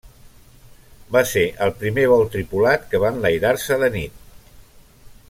Va ser el primer vol tripulat que va enlairar-se de nit.